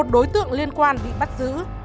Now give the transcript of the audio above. một mươi một đối tượng liên quan bị bắt giữ